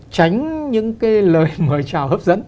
tránh những cái lời mời chào hấp dẫn